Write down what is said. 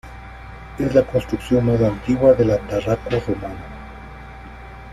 Es la construcción más antigua de la Tarraco romana.